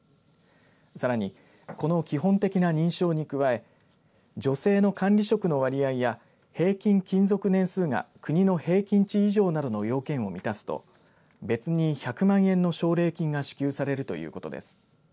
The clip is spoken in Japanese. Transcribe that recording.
さらに、この基本的な認証に加え女性の管理職の割合や平均勤続年数が国の平均値以上などの要件を満たすと別に１００万円の奨励金が支給されるということです。